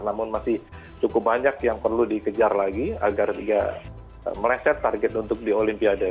namun masih cukup banyak yang perlu dikejar lagi agar tidak meleset target untuk di olimpiade